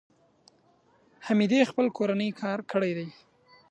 حمیدې خپل کورنی کار کړی دی.